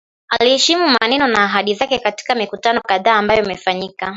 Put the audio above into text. aiheshimu maneno na ahadi zake katika mikutano kadhaa ambayo imefanyika